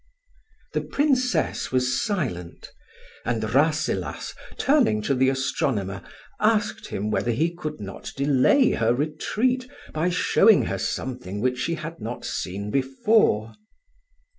The Princess was silent, and Rasselas, turning to the astronomer, asked him whether he could not delay her retreat by showing her something which she had not seen before.